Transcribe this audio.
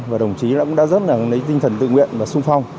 và đồng chí cũng đã rất là lấy tinh thần tự nguyện và sung phong